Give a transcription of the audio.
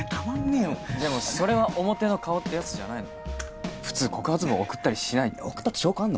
それは表の顔ってやつじゃないの普通告発文送ったりしない送ったって証拠あんの？